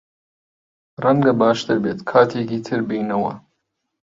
ڕەنگە باشتر بێت کاتێکی تر بێینەوە.